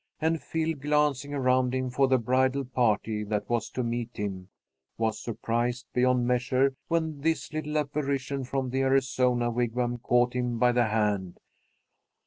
And Phil, glancing around him for the bridal party that was to meet him, was surprised beyond measure when this little apparition from the Arizona Wigwam caught him by the hand.